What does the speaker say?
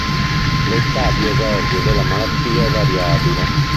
L'età di esordio della malattia è variabile.